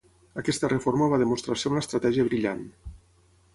Aquesta reforma va demostrar ser una estratègia brillant.